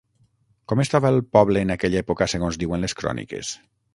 Com estava el poble en aquella època segons diuen les cròniques?